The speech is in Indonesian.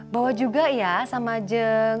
bawa juga ya sama jeng